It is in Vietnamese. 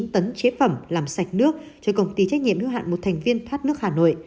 bốn trăm tám mươi chín tấn chế phẩm làm sạch nước cho công ty trách nhiệm hưu hạn một thành viên thoát nước hà nội